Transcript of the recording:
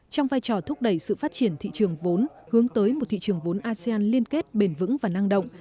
trong vai trò thúc đẩy sự phát triển thị trường vốn hướng tới một thị trường vốn asean liên kết bền vững và năng động